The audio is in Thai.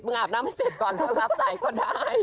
มึงอาบน้ำไม่เสร็จก่อนรับใส่ก่อนได้